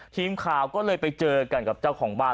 ทีมข่าวก็เลยไปเจอกันกับเจ้าของบ้าน